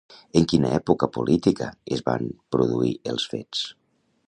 En quina època política es van produir els fets?